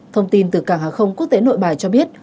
thông tin từ cảng hàng không quốc tế nội bài cho biết